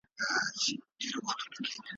د خپل بېچاره قام ,